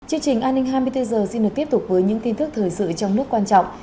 chương trình an ninh hai mươi bốn h xin được tiếp tục với những tin tức thời sự trong nước quan trọng